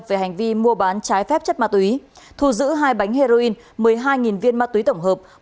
về hành vi mua bán trái phép chất ma túy thu giữ hai bánh heroin một mươi hai viên ma túy tổng hợp